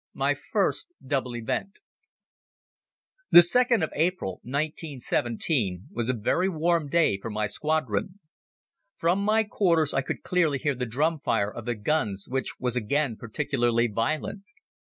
My First Double Event THE second of April, 1917, was a very warm day for my Squadron. From my quarters I could clearly hear the drum fire of the guns which was again particularly violent.